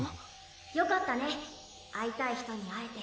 よかったね会いたい人に会えて。